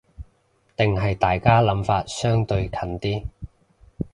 定係大家諗法相對近啲